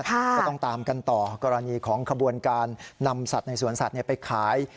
ก็ต้องตามกันต่อกรณีของขบวนการนำสัตว์ในสวนสัตว์ไปขาย